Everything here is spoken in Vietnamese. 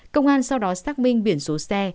công an sau đó xác minh biển số xe